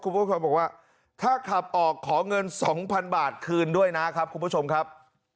คุณผู้ชมบอกว่าถ้าขับออกขอเงิน๒๐๐๐บาทคืนด้วยนะครับคุณผู้ชมครับ